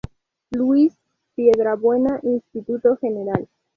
Luis Piedrabuena, Instituto Gral.